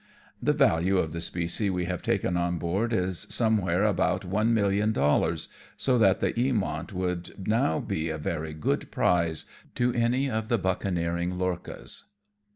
The value of the specie we have taken on board is somewhere about one million dollars, so that the Eamont would now be a very good prize to any of the buccaneering lorchas.